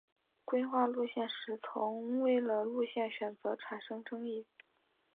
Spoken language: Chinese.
规划路线时曾为了路线选择产生争议。